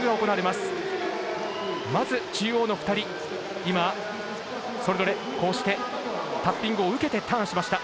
まず中央の２人それぞれタッピングを受けてターンしました。